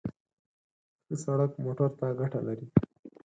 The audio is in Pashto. ښه سړک موټر ته ګټه لري.